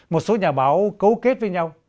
một số nhà báo cấu kết với nhau